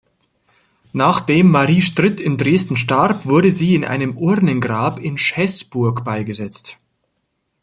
Nachdem Marie Stritt in Dresden starb, wurde sie in einem Urnengrab in Schäßburg beigesetzt.